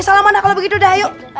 salam anda kalau begitu dah